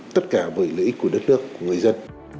tất cả với lợi ích của đất nước của người dân